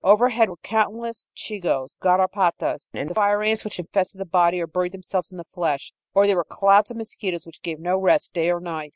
Overhead were countless chigoes, garapatas and fire ants which infested the body or buried themselves in the flesh. Or there were clouds of mosquitoes which gave no rest day or night.